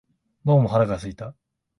どうも腹が空いた